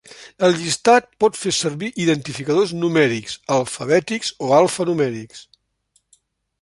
El llistat pot fer servir identificadors numèrics, alfabètics o alfa-numèrics.